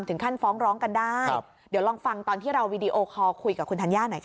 ถึงขั้นฟ้องร้องกันได้เดี๋ยวลองฟังตอนที่เราวีดีโอคอลคุยกับคุณธัญญาหน่อยค่ะ